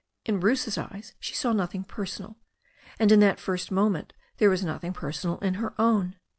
In Bruce's eyes she saw nothing personal, and in that first moment there was nothing personal in her own.